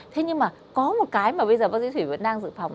thế nhưng mà có một cái mà bây giờ bác sĩ thủy vẫn đang dự phòng